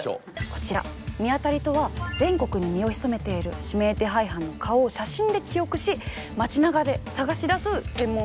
こちらミアタリとは全国に身を潜めている指名手配犯の顔を写真で記憶し街なかで探し出す専門捜査のことです。